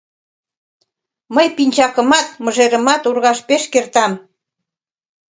Мый пинчакымат, мыжерымат ургаш пеш кертам.